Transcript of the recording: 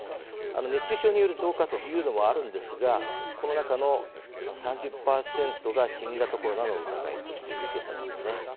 熱中症による増加というのもあるんですが、この中の３０％が新型コロナの疑いというケースだったんですね。